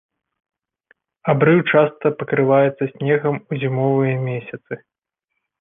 Абрыў часта пакрываецца снегам ў зімовыя месяцы.